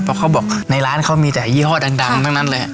เพราะเขาบอกในร้านเขามีแต่ยี่ห้อดังทั้งนั้นเลย